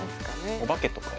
お化けとかは？